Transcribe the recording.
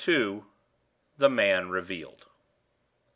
THE MAN REVEALED.